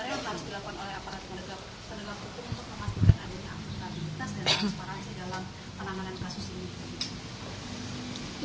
akuntabilitas dan transparansi dalam penanganan kasus ini